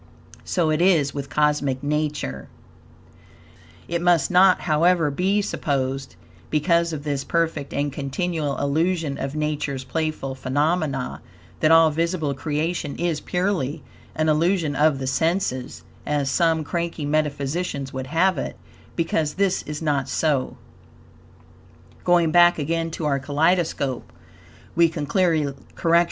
So it is with Cosmic Nature. It must not, however, be supposed, because of this perfect and continual illusion of Nature's playful phenomena, that all visible creation is purely an illusion of the senses, as some cranky metaphysicians would have it, because this is not so.